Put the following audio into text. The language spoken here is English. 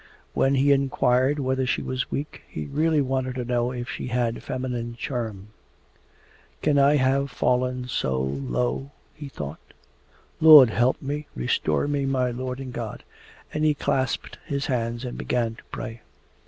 When he inquired whether she was weak, he really wanted to know if she had feminine charm. 'Can I have fallen so low?' he thought. 'Lord, help me! Restore me, my Lord and God!' And he clasped his hands and began to pray.